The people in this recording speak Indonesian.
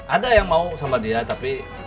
ada yang mau sama dia tapi